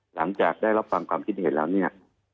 หลังจากได้รับฟังความคิดเห็นแล้วเนี่ย